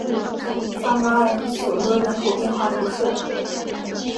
萨马尔索勒人口变化图示